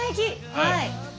はい。